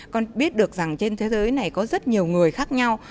con biết được rằng trên thế giới này có rất nhiều người khác nhau